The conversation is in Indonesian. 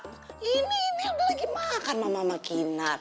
ini ini udah lagi makan mama makinat